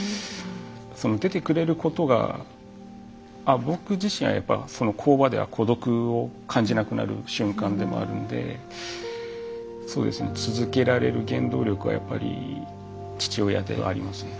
その出てくれることが僕自身はやっぱり工場では孤独を感じなくなる瞬間でもあるので続けられる原動力はやっぱり父親ではありますね。